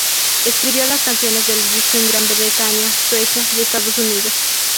Escribió las canciones del disco en Gran Bretaña, Suecia y Estados Unidos.